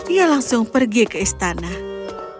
ia langsung pergi ke istana